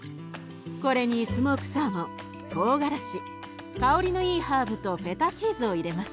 これにスモークサーモントウガラシ香りのいいハーブとフェタチーズを入れます。